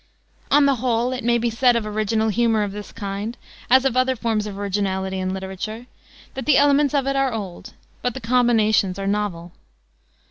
On the whole, it may be said of original humor of this kind, as of other forms of originality in literature, that the elements of it are old, but the combinations are novel.